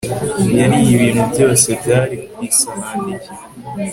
Yariye ibintu byose byari ku isahani ye